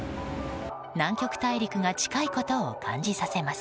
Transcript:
南極大陸が近いことを感じさせます。